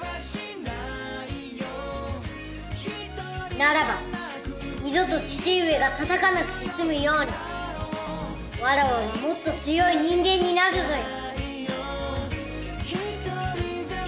ならば二度と父上がたたかなくて済むようにわらわはもっと強い人間になるぞよ！